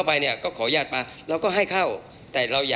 มีการที่จะพยายามติดศิลป์บ่นเจ้าพระงานนะครับ